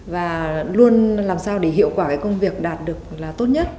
và luôn làm sao để hiệu quả cái công việc đạt được là tốt nhất